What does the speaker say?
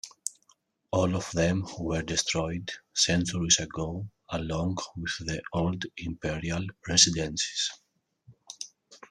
All of them were destroyed centuries ago along with the old imperial residences.